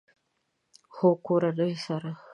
هو، د کورنۍ سره